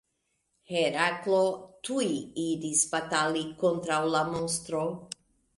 Heraklo tuj iris batali kontraŭ la monstro.